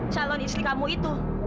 calon istri kamu itu